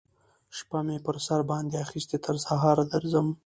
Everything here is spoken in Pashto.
شپه می پر سر باندی اخیستې تر سهاره درځم